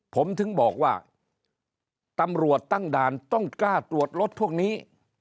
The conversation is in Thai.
ผมถึงบอกว่าตำรวจตั้งด่านต้องกล้าตรวจรถพวกนี้